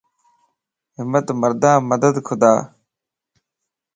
ھمت مردان مددِ خدا